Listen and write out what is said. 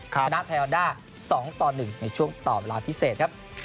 คณะแทอนด้า๒ต่อ๑ในช่วงต่อเวลาพิเศษครับ